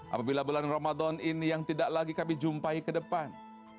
apabila bulan ramadhan ini yang tidak lagi kami jumpai kedepan